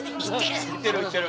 言ってる！